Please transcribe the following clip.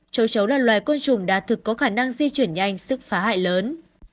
châu chấu là loài côn trùng đa thực có khả năng di chuyển nhanh sức phá hại lớn